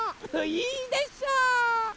いいでしょ！